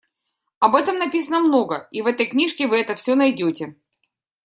Об этом написано много, и в этой книжке вы это всё найдёте.